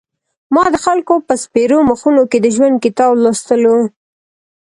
ما د خلکو په سپېرو مخونو کې د ژوند کتاب لوستلو.